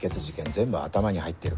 全部頭に入ってるから。